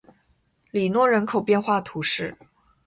里诺人口变化图示